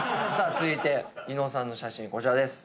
続いて伊野尾さんの写真こちらです。